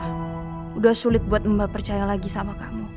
sudah sulit buat mbak percaya lagi sama kamu